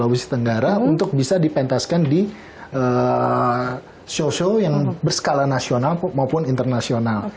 sulawesi tenggara untuk bisa dipentaskan di show show yang berskala nasional maupun internasional